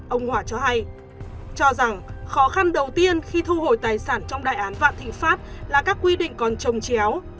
ông hòa cho hay cho rằng khó khăn đầu tiên khi thu hồi tài sản trong đại án vạn thịnh pháp là các quy định còn trồng chéo